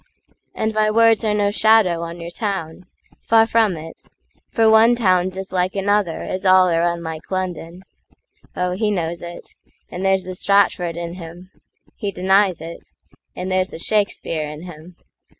And my words are no shadow on your town—Far from it; for one town's as like anotherAs all are unlike London. Oh, he knows it,—And there's the Stratford in him; he denies it, And there's the Shakespeare in him.